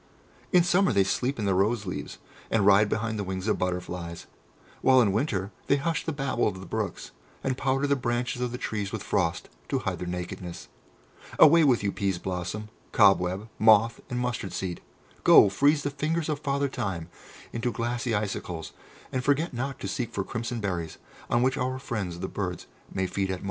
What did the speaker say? In summer they sleep in the roseleaves, and ride behind the wings of butterflies, while in winter they hush the babble of the brooks, and powder the branches of the trees with frost to hide their nakedness. Away with you, Peas blossom, Cobweb, Moth, and Mustard seed! Go, freeze the fingers of Father Time into glassy icicles, and forget not to seek for crimson berries on which our friends the birds may feed at morn!"